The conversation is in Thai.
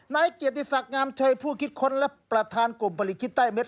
นายเกียรติศักดิ์งามเชยผู้คิดค้นและประธานกลุ่มผลิตคิดใต้เม็ด